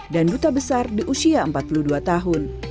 dan duta besar di usia empat puluh dua tahun